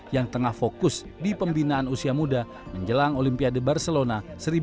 yang tengah fokus di pembinaan usia muda menjelang olimpiade barcelona seribu sembilan ratus sembilan puluh